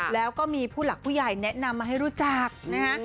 แล้วก็มีผู้หลักผู้ใหญ่แนะนำมาให้รู้จักนะฮะ